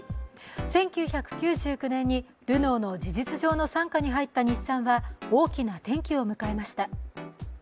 １９９９年にルノーの事実上の傘下に入った日産は大きな転機を迎えました。